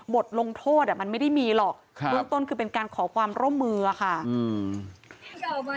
บทลงโทษอ่ะมันไม่ได้มีหรอกครับเบื้องต้นคือเป็นการขอความร่วมมืออะค่ะ